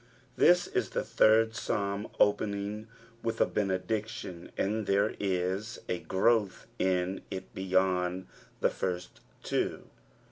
''' This is the third Panlm opening nilh a. benediction, and there is & gronth ia it bejond the first two.